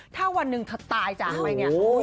ถ้าวันหนึ่งเธอตายจากไปเนี่ย